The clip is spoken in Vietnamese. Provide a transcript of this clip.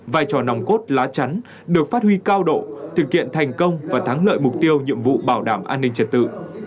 vai trò nòng cốt lá chắn được phát huy cao độ thực hiện thành công và thắng lợi mục tiêu nhiệm vụ bảo đảm an ninh trật tự